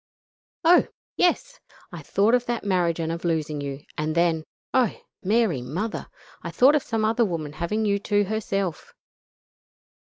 "Oh! yes! I thought of that marriage and of losing you, and then, oh! Mary Mother! I thought of some other woman having you to herself.